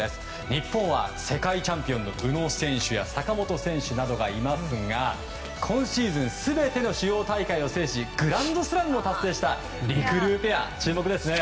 日本は世界チャンピオンの宇野選手や坂本選手などがいますが今シーズン全ての主要大会を制しグランドスラムを達成したりくりゅうペア、注目ですね。